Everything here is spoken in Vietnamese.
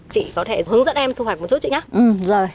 chị có thể hướng dẫn em thu hoạch một chút chị nhé